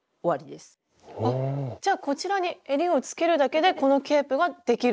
じゃあこちらにえりをつけるだけでこのケープができる？